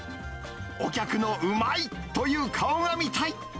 お客のうまい！という顔が見たい。